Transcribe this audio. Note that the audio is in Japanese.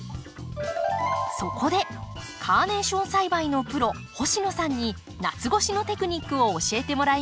そこでカーネーション栽培のプロ星野さんに夏越しのテクニックを教えてもらいます。